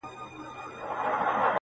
خو په زړو کي غلیمان د یوه بل دي!